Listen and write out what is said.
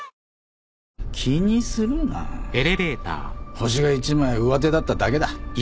ホシが一枚上手だっただけだ。